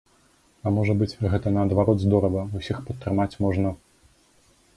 А можа быць, гэта наадварот здорава, усіх падтрымаць можна?